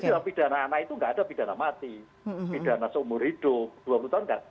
jadi dalam pidana anak itu tidak ada pidana mati pidana seumur hidup dua puluh tahun tidak